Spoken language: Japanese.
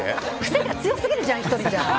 癖が強すぎるじゃん、１人じゃ。